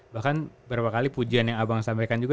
bahkan beberapa kali pujian yang abang sampaikan juga